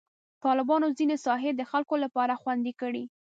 طالبانو ځینې ساحې د خلکو لپاره خوندي کړي.